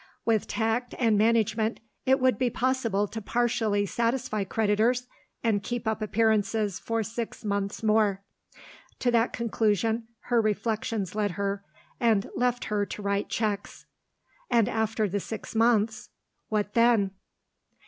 With tact and management it would be possible to partially satisfy creditors, and keep up appearances for six months more. To that conclusion her reflections led her, and left her to write cheques. And after the six months what then?